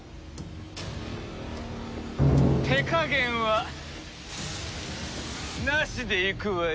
手加減はなしでいくわよ。